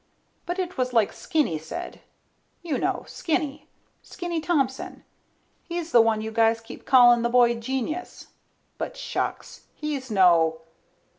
But it was like Skinny said ... You know, Skinny. Skinny Thompson. He's the one you guys keep calling the boy genius, but shucks, he's no